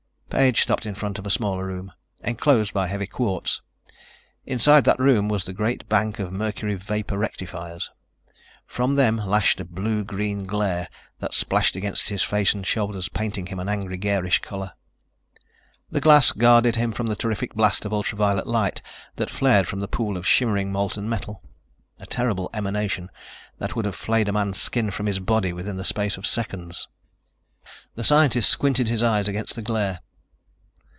Page stopped in front of a smaller room, enclosed by heavy quartz. Inside that room was the great bank of mercury vapor rectifiers. From them lashed a blue green glare that splashed against his face and shoulders, painting him in angry, garish color. The glass guarded him from the terrific blast of ultra violet light that flared from the pool of shimmering molten metal, a terrible emanation that would have flayed a man's skin from his body within the space of seconds. The scientist squinted his eyes against the glare.